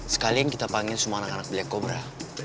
sekalian kita panggil semua anak anak black cobra